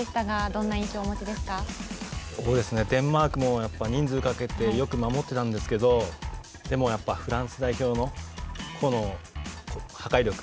そうですね、デンマークもやっぱり人数をかけてよく守っていたんですけどでも、やっぱりフランス代表の個の破壊力。